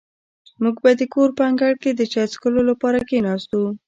موږ د کور په انګړ کې د چای څښلو لپاره کېناستو.